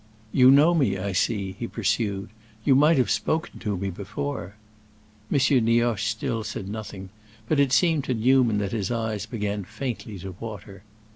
"You know me, I see," he pursued. "You might have spoken to me before." M. Nioche still said nothing, but it seemed to Newman that his eyes began faintly to water.